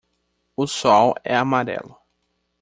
O sol é amarelo.